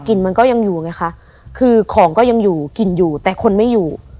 มันก็ยังอยู่ไงคะคือของก็ยังอยู่กินอยู่แต่คนไม่อยู่